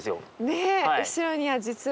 ねえ後ろには実は。